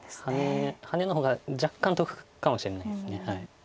ハネの方が若干得かもしれないです。